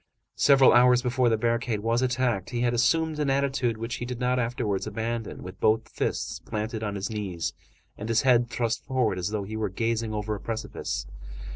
Several hours before the barricade was attacked, he had assumed an attitude which he did not afterwards abandon, with both fists planted on his knees and his head thrust forward as though he were gazing over a precipice.